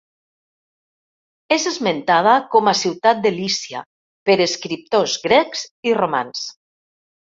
És esmentada com a ciutat de Lícia per escriptors grecs i romans.